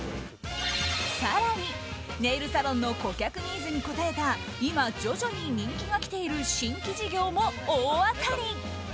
更に、ネイルサロンの顧客ニーズに応えた今、徐々に人気がきている新規事業も大当たり。